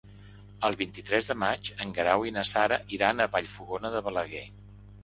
El vint-i-tres de maig en Guerau i na Sara iran a Vallfogona de Balaguer.